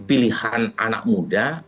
pilihan anak muda